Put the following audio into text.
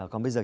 còn bây giờ